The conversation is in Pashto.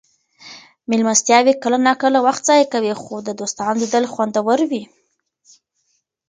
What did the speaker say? مېلمستیاوې کله ناکله وخت ضایع کوي خو د دوستانو لیدل خوندور وي.